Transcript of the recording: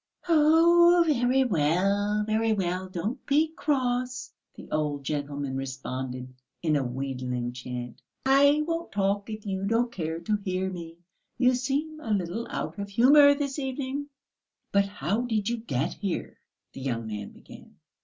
"Oh, very well, very well, don't be cross," the old gentleman responded in a wheedling chant. "I won't talk if you don't care to hear me. You seem a little out of humour this evening." "But how did you get here?" the young man began.